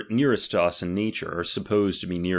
Dearest to us in nature, are supposed to be uear chap.